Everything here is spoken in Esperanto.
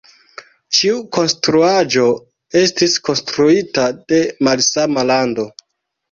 Ĉiu konstruaĵo estis konstruita de malsama lando.